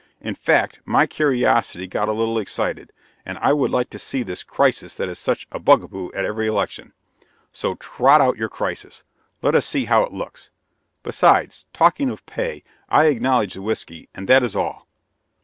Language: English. In fact, my curiosity has got a little excited, and I would like to see this 'crisis' that is such a bugaboo at every election; so trot out your crisis let us see how it looks. Besides, talking of pay, I acknowledge the whiskey, and that is all.